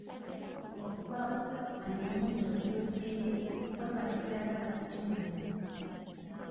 Ofuba okulaba ng'ennyindo otunuza eri, so ng'ate toyagala kukimulaga.